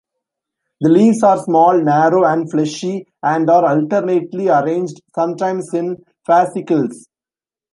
The leaves are small, narrow, and fleshy, and are alternately arranged, sometimes in fascicles.